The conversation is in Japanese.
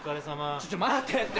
ちょっと待てって。